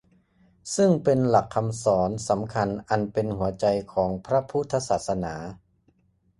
ซึ่งเป็นหลักคำสอนสำคัญอันเป็นหัวใจของพระพุทธศาสนา